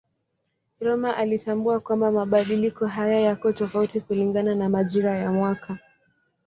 Rømer alitambua kwamba mabadiliko haya yako tofauti kulingana na majira ya mwaka.